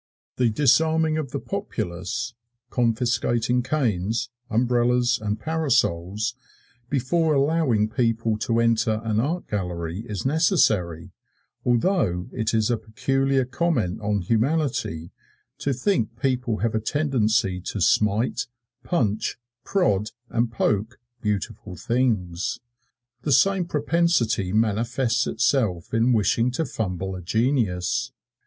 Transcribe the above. The disarming of the populace confiscating canes, umbrellas and parasols before allowing people to enter an art gallery is necessary; although it is a peculiar comment on humanity to think people have a tendency to smite, punch, prod and poke beautiful things. The same propensity manifests itself in wishing to fumble a genius.